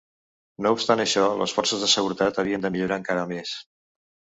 No obstant això, les forces de seguretat havien de millorar encara més.